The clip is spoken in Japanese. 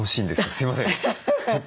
すいません。